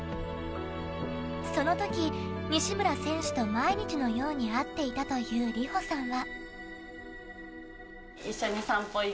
その時、西村選手と毎日のように会っていたという里歩さんは。